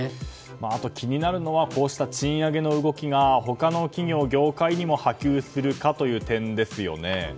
あと気になるのはこうした賃上げの動きが他の企業、業界にも波及するかという点ですよね。